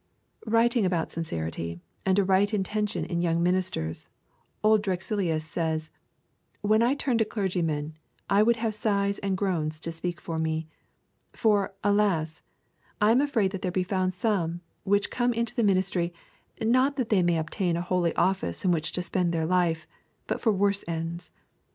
Writing about sincerity and a right intention in young ministers, old Drexilius says: 'When I turn to clergymen, I would have sighs and groans to speak for me. For, alas! I am afraid that there be found some which come into the ministry, not that they may obtain a holy office in which to spend their life, but for worse ends.